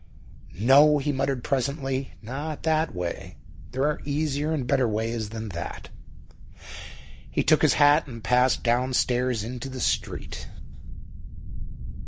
"No," he muttered presently; "not that way. There are easier and better ways than that." He took his hat and passed downstairs into the street.